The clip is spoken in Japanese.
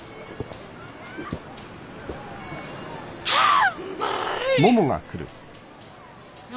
あうまい！